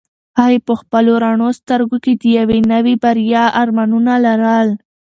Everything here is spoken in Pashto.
هغې په خپلو رڼو سترګو کې د یوې نوې بریا ارمانونه لرل.